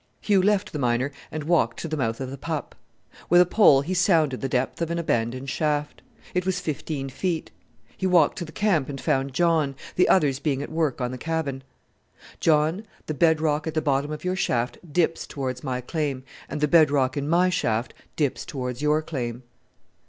Hugh left the miner and walked to the mouth of the pup. With a pole he sounded the depth of an abandoned shaft. It was fifteen feet. He walked to the camp and found John, the others being at work on the cabin. "John, the bed rock at the bottom of your shaft dips towards my claim, and the bed rock in my shaft dips towards your claim."